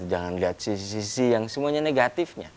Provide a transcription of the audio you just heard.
jangan lihat sisi sisi yang semuanya negatifnya